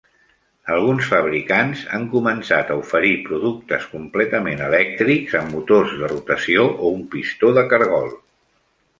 Alguns fabricants han començat a oferir productes completament elèctrics amb motors de rotació o un pistó de cargol.